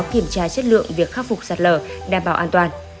kiểm tra chất lượng việc khắc phục sạt lở đảm bảo an toàn